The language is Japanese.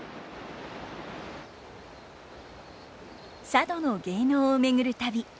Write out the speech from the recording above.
佐渡の芸能を巡る旅。